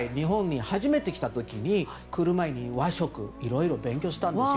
初めて日本に来る前に和食いろいろ勉強したんですよ。